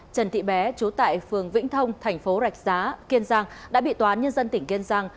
trần thị bé chú tại phường vĩnh thông thành phố rạch giá kiên giang đã bị tòa án nhân dân tỉnh kiên giang